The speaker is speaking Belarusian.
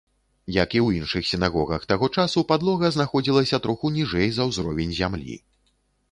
Як і ў іншых сінагогах таго часу, падлога знаходзілася троху ніжэй за ўзровень зямлі.